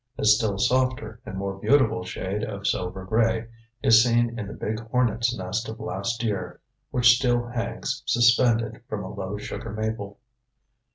A still softer and more beautiful shade of silver gray is seen in the big hornet's nest of last year which still hangs suspended from a low sugar maple.